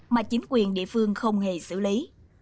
mà chính quyền địa phương không hề xử lý